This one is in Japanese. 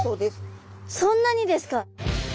そんなにですか！